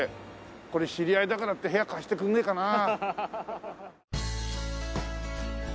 これ知り合いだからって部屋貸してくれねえかなあ。